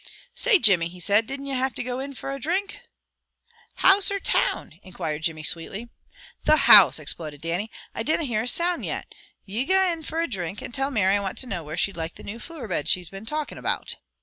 "Say, Jimmy," he said. "Dinna ye have to gae in fra a drink?" "House or town?" inquired Jimmy sweetly. "The house!" exploded Dannie. "I dinna hear a sound yet. Ye gae in fra a drink, and tell Mary I want to know where she'd like the new flooer bed she's been talking about."